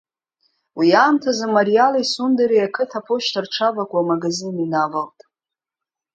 Уи аамҭазы Мариали Сундери ақыҭа аԥошьҭа рҽавакуа амагазин инавалт.